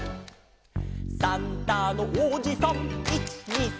「サンタのおじさん１２３」